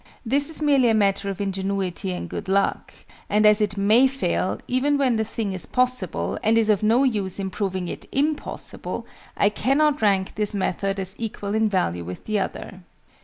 This is merely a matter of ingenuity and good luck: and as it may fail, even when the thing is possible, and is of no use in proving it _im_possible, I cannot rank this method as equal in value with the other.